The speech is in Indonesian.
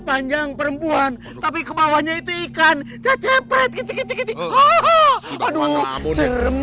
panjang perempuan tapi kebawahnya itu ikan cacepret gitu gitu aduh serem